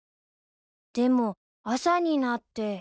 ［でも朝になって］